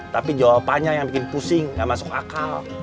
tapi jawabannya yang bikin pusing gak masuk akal